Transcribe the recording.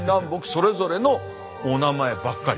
それぞれのお名前ばっかり。